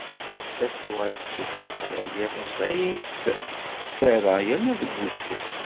Nettat tuɣal testufa, ala i yiḍes ay tt-tettarra, yerna deg wusu